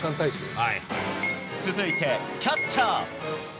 続いてキャッチャー。